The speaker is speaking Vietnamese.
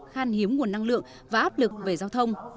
khan hiếm nguồn năng lượng và áp lực về giao thông